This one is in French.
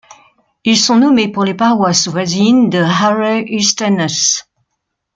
Ils sont nommés pour les paroisses voisines de Harray et Stenness.